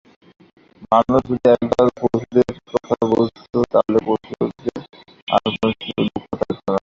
মানুষ যদি একবার পশুদের কথা বুঝত তাহলে পশুদের আর কোনো দুঃখ থাকত না।